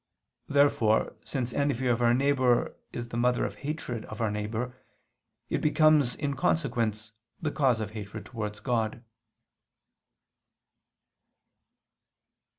Therefore, since envy of our neighbor is the mother of hatred of our neighbor, it becomes, in consequence, the cause of hatred towards God.